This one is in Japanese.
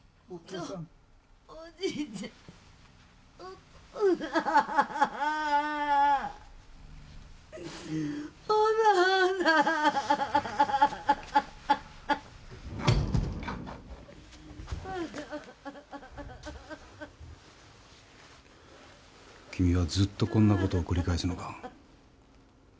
おじいちゃん君はずっとこんなことを繰り返すのか？